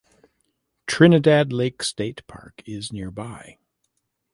Trinidad Lake State Park is nearby.